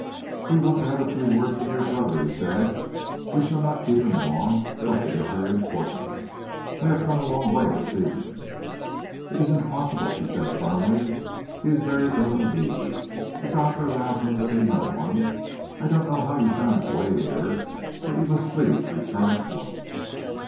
"We want a few words with your brother," he said. "We shall not keep him long, but it is very important. We have come a long way to see him." "It is impossible," she said firmly. "He is very ill indeed. The doctor allows him to see no one. I don't know how you found your way here, but you must please return at once."